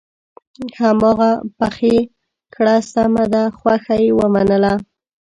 هماغه پخې کړه سمه ده خوښه یې ومنله.